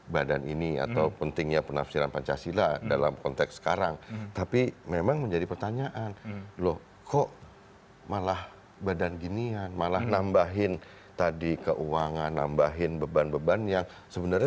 badan ini atau pentingnya penafsiran pancasila dalam konteks sekarang tapi memang menjadi pertanyaan loh kok malah badan ginian malah nambahin tadi keuangan nambahin beban beban yang sebenarnya